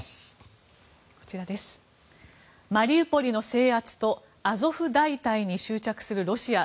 マリウポリの制圧とアゾフ大隊に執着するロシア。